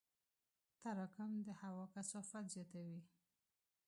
تراکم د هوا کثافت زیاتوي.